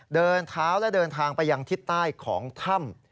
เดินเท้าและเดินทางไปยังทิศใต้ของถ้ำ